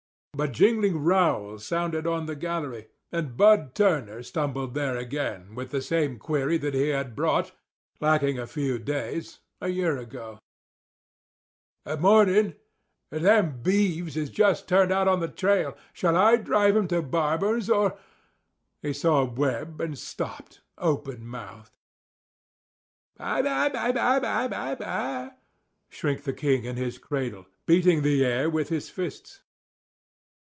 But jingling rowels sounded on the gallery, and Bud Turner stumbled there again with the same query that he had brought, lacking a few days, a year ago. "'Morning. Them beeves is just turned out on the trail. Shall I drive 'em to Barber's, or—" He saw Webb and stopped, open mouthed. "Ba ba ba ba ba ba!" shrieked the king in his cradle, beating the air with his fists.